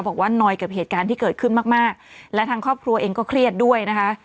บอกว่านอยกับเหตุการณ์ที่เกิดขึ้นมากมากและทางครอบครัวเองก็เครียดด้วยนะคะ